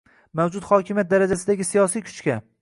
mavjud hokimiyat darajasidagi siyosiy kuchga